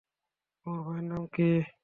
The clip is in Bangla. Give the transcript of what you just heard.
তোমার ভাইয়ের নাম কী?